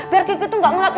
biar gigi tuh gak ngeliat